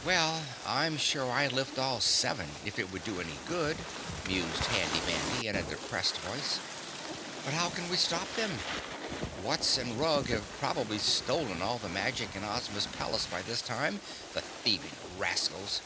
"Well, I'm sure I'd lift all seven if it would do any good," mused Handy Mandy in a depressed voice. "But how can we stop them? Wutz and Rug have probably stolen all the magic in Ozma's palace by this time, the thieving rascals!"